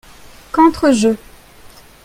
quantre jeux.